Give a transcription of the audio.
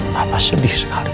papa sedih sekali